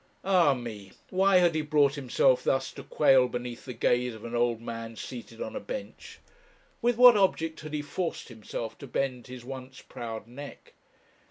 Ah me! why had he brought himself thus to quail beneath the gaze of an old man seated on a bench? with what object had he forced himself to bend his once proud neck?